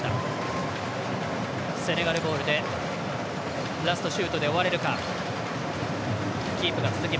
セネガルボールでラストシュートで終われるか。